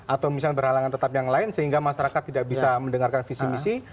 atau misalnya berhalangan tetap yang lain sehingga masyarakat tidak bisa mendengarkan visi misi